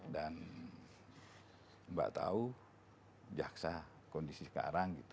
dan mbak tahu jaksa kondisi sekarang